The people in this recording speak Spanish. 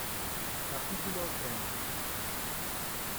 capítulo treinta.